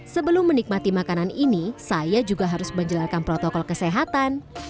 sebelum menikmati makanan ini saya juga harus menjalankan protokol kesehatan